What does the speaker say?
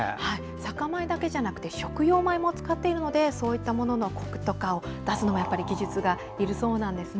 酒米だけじゃなくて食用米も使っていますのでそういったもののこくを出すのも技術がいるそうなんですね。